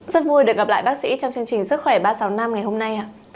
rất vui được gặp lại bác sĩ trong chương trình sức khỏe ba sáu năm ngày hôm nay